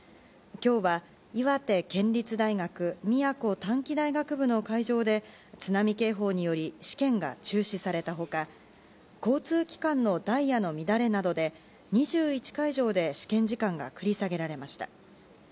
今日は岩手県立大学宮古短期大学部の会場で津波警報により試験が中止された他交通機関のダイヤの乱れなどで２１会場で試験時間が繰り下げられました。